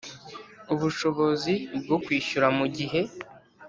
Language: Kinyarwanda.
ubushobozi bwo kwishyura mu gihe